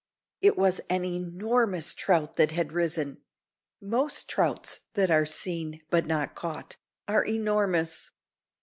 It was an enormous trout that had risen. Most trouts that are seen, but not caught, are enormous!